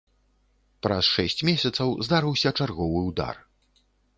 Праз шэсць месяцаў здарыўся чарговы ўдар.